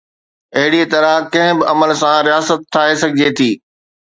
اهڙيءَ طرح ڪنهن به عمل سان رياست ٺاهي سگهجي ٿي